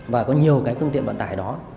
và có nhiều cương tiện quá tài đó